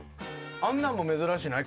あんなんも珍しない？